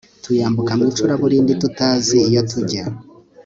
tuyambuka mu icuraburinditutazi iyo tujya